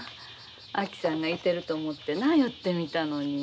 あきさんがいてると思ってな寄ってみたのに。